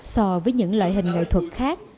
so với những loại hình nghệ thuật khác